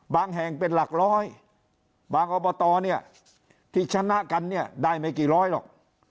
บางแห่งเป็นหลักร้อยบางอบตที่ชนะกันได้ไม่กี่ร้อยหรอก